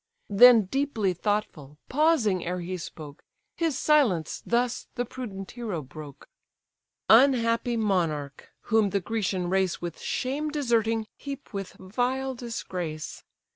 Then deeply thoughtful, pausing ere he spoke, His silence thus the prudent hero broke: "Unhappy monarch! whom the Grecian race With shame deserting, heap with vile disgrace.